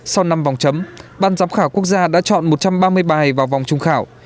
sau năm vòng chấm ban giám khảo quốc gia đã chọn một trăm ba mươi bài vào vòng trung khảo